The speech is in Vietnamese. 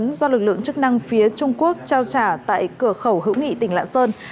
lý văn tuấn do lực lượng chức năng phía trung quốc trao trả tại cửa khẩu hữu nghị tỉnh lạ sơn